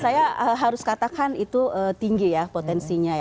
saya harus katakan itu tinggi ya potensinya ya